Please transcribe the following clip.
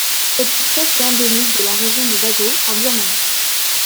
Cette espèce est endémique de la région de Bago en Birmanie.